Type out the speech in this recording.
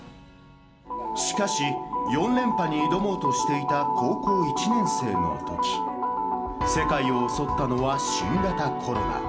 しかし、４連覇に挑もうとしていた高校１年生のとき、世界を襲ったのは、新型コロナ。